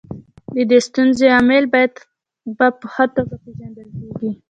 د دې ستونزې عوامل په ښه توګه پېژندل کیږي.